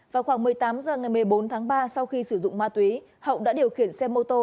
vào khoảng một mươi tám h ngày một mươi bốn tháng ba sau khi sử dụng ma túy hậu đã điều khiển xe mô tô